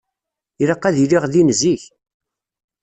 Ilaq ad iliɣ din zik.